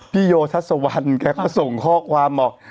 พี่โยทัศน์สวรรค์แกเขาส่งข้อความบอก